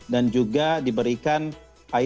dan juga diberikan makanan berbuka puasa di masjid